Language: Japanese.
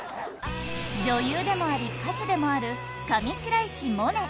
女優でもあり歌手でもある上白石萌音。